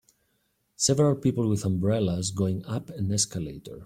Several people with umbrellas going up an escalator.